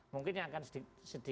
mungkin yang akan sedikit